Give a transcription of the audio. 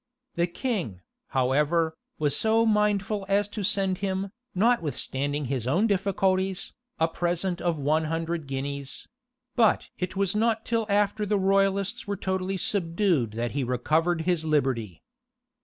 The king, however, was so mindful as to send him, notwithstanding his own difficulties, a present of one hundred guineas; but it was not till after the royalists were totally subdued that he recovered his liberty.